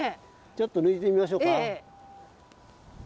ちょっと抜いてみましょうか。